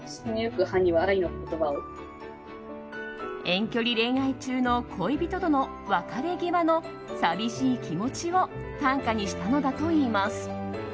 遠距離恋愛中の恋人との別れ際の寂しい気持ちを短歌にしたのだといいます。